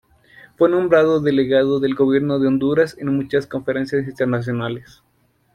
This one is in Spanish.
Fue nombrado delegado del gobierno de Honduras en muchas conferencias internacionales.